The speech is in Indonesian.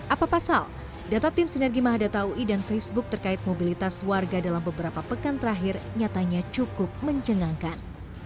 apa pasal data tim sinergi mahadata ui dan facebook terkait mobilitas warga dalam beberapa pekan terakhir nyatanya cukup mencengangkan